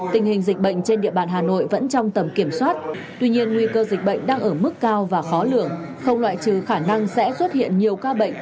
tình hình dịch bệnh trên địa bàn hà nội vẫn trong tầm kiểm soát tuy nhiên nguy cơ dịch bệnh đang ở mức cao và khó lượng không loại trừ khả năng sẽ xuất hiện nhiều ca bệnh